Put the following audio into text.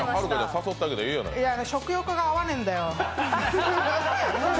食欲が合わねえんだよ。